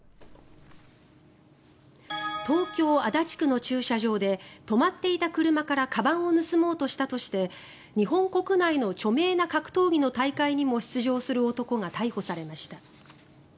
東京・足立区の駐車場で止まっていた車からかばんを盗もうとしたとして日本国内の著名な格闘技の大会にも出場する男が逮捕されました。